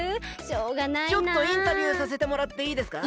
ちょっとインタビューさせてもらっていいですか？